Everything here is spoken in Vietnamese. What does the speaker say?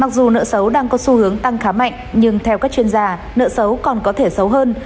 mặc dù nợ xấu đang có xu hướng tăng khá mạnh nhưng theo các chuyên gia nợ xấu còn có thể xấu hơn